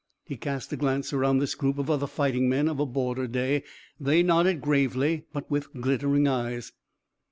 He cast a glance around this group of other fighting men of a border day. They nodded gravely, but with glittering eyes.